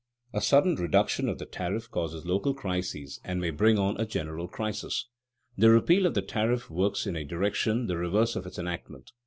A sudden reduction of the tariff causes local crises and may bring on a general crisis. The repeal of the tariff works in a direction the reverse of its enactment.